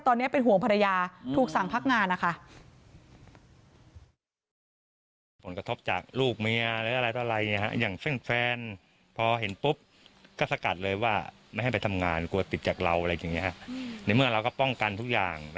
ตอนนี้เป็นห่วงภรรยาถูกสั่งพักงานนะคะ